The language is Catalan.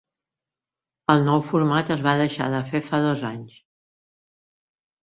El nou format es va deixar de fer fa dos anys.